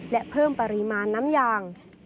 และเพิ่มปริมาณน้ำยาง